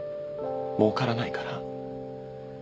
もうからないから？